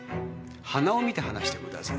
鼻を見て話してください。